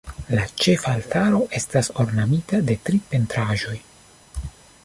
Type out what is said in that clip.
La ĉefa altaro estas ornamita de tri pentraĵoj.